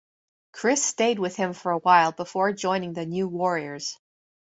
Chris stayed with him for a while before joining the New Warriors.